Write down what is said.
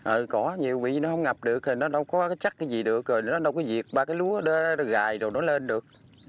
ờ có nhiều vị nó không ngập được nó đâu có chắc cái gì được rồi nó đâu có diệt ba cái lúa gài rồi nó lên được